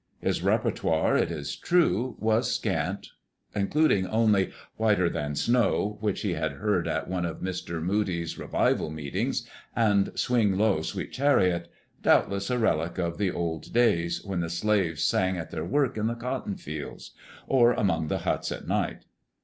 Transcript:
His repertoire, it is true, was scant, including only "Whiter than Snow," which he had heard at one of Mr. Moody's revival meetings, and "Swing Low, Sweet Chariot," doubtless a relic of the old days when the slaves sang at their work in the cotton fields, or among the huts at night.